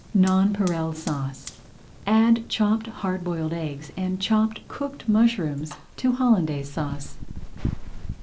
NONPAREIL SAUCE Add chopped hard boiled eggs and chopped cooked mushrooms to Hollandaise Sauce.